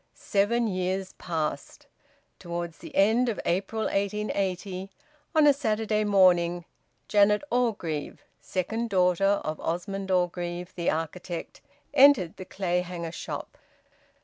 Seven years passed. Towards the end of April 1880, on a Saturday morning, Janet Orgreave, second daughter of Osmond Orgreave, the architect, entered the Clayhanger shop.